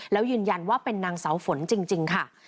แล้วยืนยันว่าเป็นนางเสาฝนจริงค่ะ